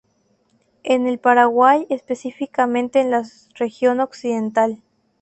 En el Paraguay específicamente en la Región Occidental.